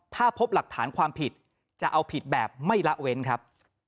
ถ้าพบหลักฐานความผิดจะเอาผิดแบบไม่ละเว้นครับ